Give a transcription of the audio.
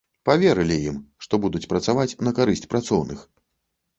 Паверылі ім, што будуць працаваць на карысць працоўных.